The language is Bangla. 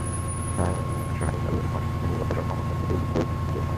শহরের কালীবাড়ি মোড় থেকে গতকাল মঙ্গলবার দুপুরে বিক্ষোভ মিছিলটি বের হয়।